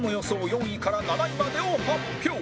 ４位から７位までを発表